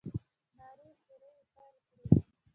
نارې سورې يې پيل کړې.